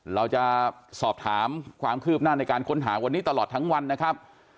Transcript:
เราจะสอบถามความคืบหน้าในการค้นหาวันนี้ตลอดทั้งวันนะครับ